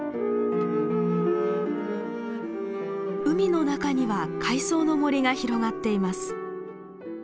海の中には海藻の森が広がっています。